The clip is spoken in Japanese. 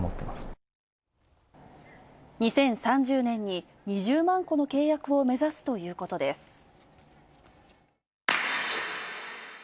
２０３０年に２０万戸の契約を目指すということです。